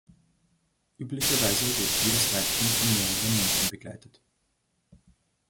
Üblicherweise wird jedes Weibchen von mehreren Männchen begleitet.